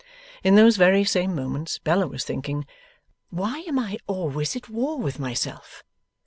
In those very same moments, Bella was thinking, 'Why am I always at war with myself?